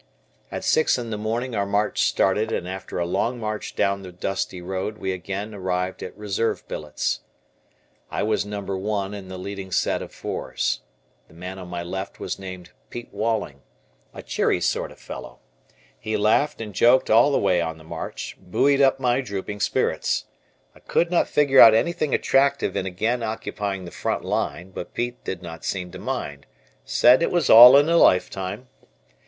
At six in the morning our march started and, after a long march down the dusty road, we again arrived at reserve billets. I was No. I in the leading set of 4's. The man on my left was named "Pete Walling," a cheery sort of fellow. He laughed and joked all the way on the march, buoyed up my drooping spirits. I could not figure out anything attractive in again occupying the front line, but Pete did not seem to mind, said it was all in a lifetime.